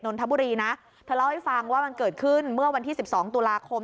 นทบุรีนะเธอเล่าให้ฟังว่ามันเกิดขึ้นเมื่อวันที่สิบสองตุลาคม